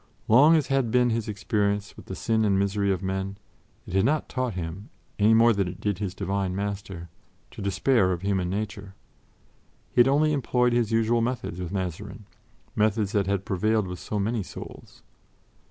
Long as had been his experience of the sin and misery of men, it had not taught him, any more than it did his Divine Master, to despair of human nature. He had only employed his usual methods with Mazarin: methods that had prevailed with so many souls.